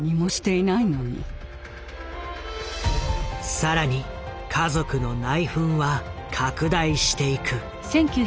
更に家族の内紛は拡大していく。